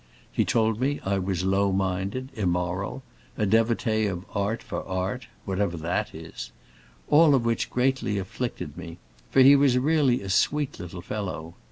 He told me I was low minded, immoral, a devotee of 'art for art'—whatever that is: all of which greatly afflicted me, for he was really a sweet little fellow.